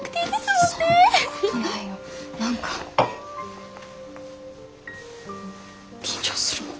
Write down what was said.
何か緊張するもん。